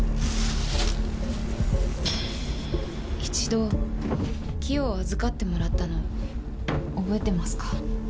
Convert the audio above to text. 一度キヨを預かってもらったの覚えてますか？